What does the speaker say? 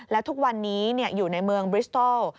แล้วทุกวันนี้อยู่ในเมืองบริสโตล